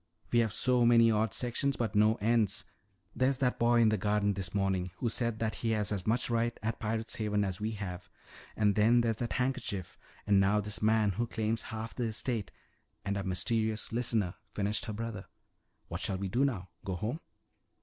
We have so many odd sections but no ends. There's that boy in the garden this morning who said that he has as much right at Pirate's Haven as we have, and then there's that handkerchief, and now this man who claims half the estate " "And our mysterious listener," finished her brother. "What shall we do now? Go home?"